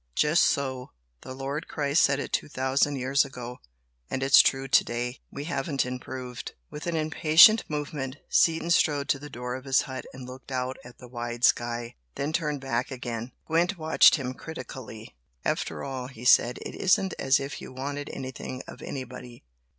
"Just so! The Lord Christ said it two thousand years ago, and it's true to day! We haven't improved!" With an impatient movement, Seaton strode to the door of his hut and looked out at the wide sky, then turned back again. Gwent watched him critically. "After all," he said, "It isn't as if you wanted anything of anybody.